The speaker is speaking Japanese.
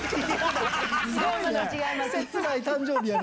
切ない誕生日やな。